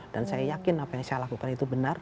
dan saya yakin apa yang saya lakukan itu benar